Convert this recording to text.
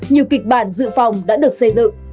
nhiều kịch bản dự phòng đã được xây dựng